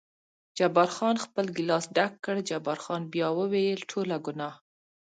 جبار خان خپل ګیلاس ډک کړ، جبار خان بیا وویل: ټوله ګناه.